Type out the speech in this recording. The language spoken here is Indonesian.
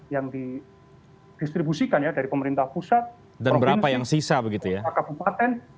yang didistribusikan ya dari pemerintah pusat provinsi kabupaten